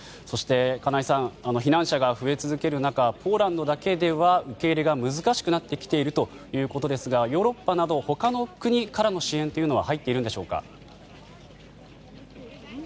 そして、金井さん避難者が増え続ける中ポーランドだけでは受け入れが難しくなっているということですがヨーロッパなど他の国からの支援は入っているんでしょうか？